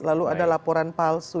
lalu ada laporan palsu